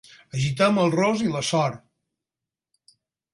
Agitem el ros i la sor.